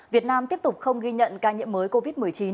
việt nam tiếp tục không ghi nhận ca nhiễm mới covid một mươi chín